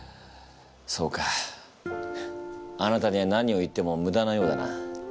そうかあなたには何を言ってもむだなようだな。